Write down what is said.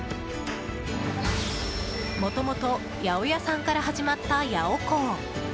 もともと八百屋さんから始まったヤオコー。